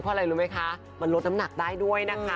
เพราะอะไรรู้ไหมคะมันลดน้ำหนักได้ด้วยนะคะ